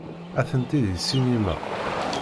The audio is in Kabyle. Atenti deg ssinima.